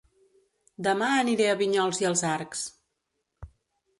Dema aniré a Vinyols i els Arcs